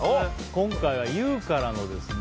今回は「Ｙｏｕ」からのですね。